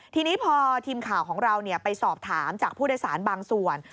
ทีนี้พอทีมข่าวของเราไปสอบถามจากผู้โดยสารบางส่วน